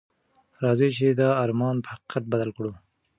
راځئ چې دا ارمان په حقیقت بدل کړو.